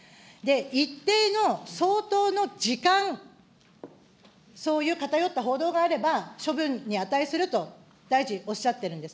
一定の、相当の時間、そういう偏った報道があれば処分に値すると、大臣、おっしゃっているんです。